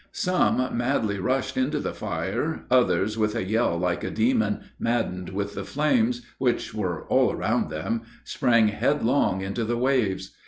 Some madly rushed into the fire; others, with a yell like a demon, maddened with the flames, which were all around them, sprang headlong into the waves.